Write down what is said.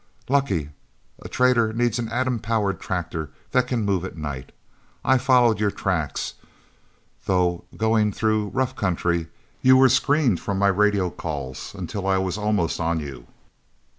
Lucky a trader needs an atom powered tractor that can move at night. I followed your tracks, though going through rough country, you were screened from my radio calls until I was almost on you.